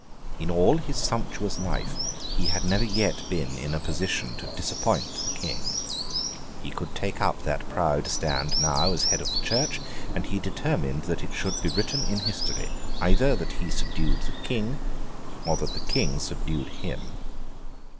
In all his sumptuous life, he had never yet been in a position to disappoint the King. He could take up that proud stand now, as head of the Church; and he determined that it should be written in history, either that he subdued the King, or that the King subdued him.